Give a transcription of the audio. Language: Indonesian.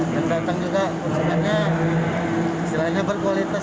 yang datang juga konsumennya berkualitas